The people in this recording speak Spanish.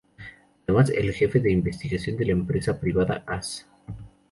Además es jefe de investigación de la empresa privada Az.